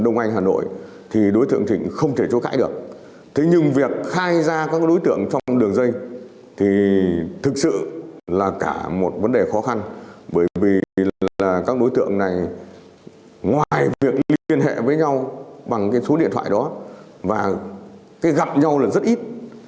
ngoài việc liên hệ với nhau bằng số điện thoại đó gặp nhau rất ít